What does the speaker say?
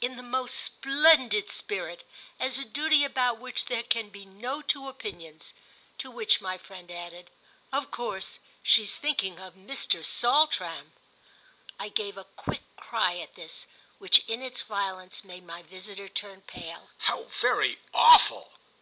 "In the most splendid spirit—as a duty about which there can be no two opinions." To which my friend added: "Of course she's thinking of Mr. Saltram." I gave a quick cry at this, which, in its violence, made my visitor turn pale. "How very awful!"